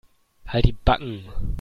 Halt die Backen.